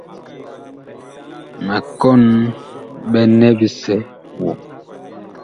Ma kɔn ɓɛnɛ bisɛ woŋ.